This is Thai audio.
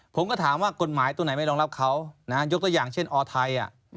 ผมก็ถามว่ากฎหมายตัวไหนไม่รองรับเขายกตัวอย่างเช่นอไทย